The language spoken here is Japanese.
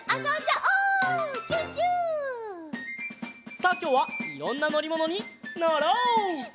さあきょうはいろんなのりものにのろう！